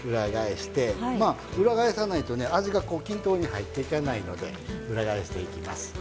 まあ裏返さないとね味が均等に入っていかないので裏返していきます。